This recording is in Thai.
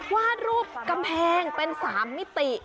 วาดรูปกำแพงเป็น๓มิติ